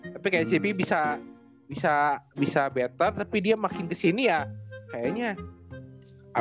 tapi kayak cb bisa better tapi dia makin kesini ya kayaknya